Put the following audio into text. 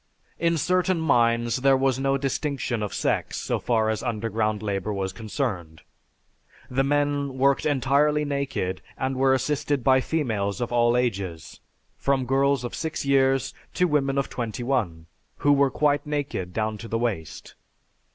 In certain mines there was no distinction of sex so far as underground labor was concerned. The men worked entirely naked and were assisted by females of all ages, from girls of six years to women of twenty one, who were quite naked down to the waist.